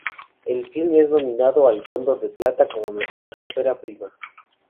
El film es nominado al Cóndor de Plata como mejor ópera prima.